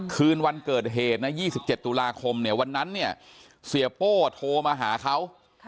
คืนวันเกิดเหตุนะ๒๗ตุลาคมเนี่ยวันนั้นเนี่ยเสียโป้โทรมาหาเขา